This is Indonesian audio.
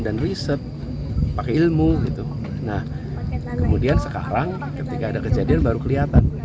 dan riset pakai ilmu gitu nah kemudian sekarang ketika ada kejadian baru kelihatan